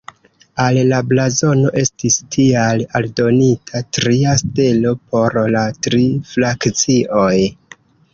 Al la blazono estis tial aldonita tria stelo por la tri frakcioj.